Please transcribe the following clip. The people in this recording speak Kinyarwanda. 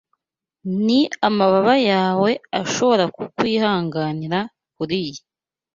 niba amababa yawe ashobora kukwihanganira kuriyi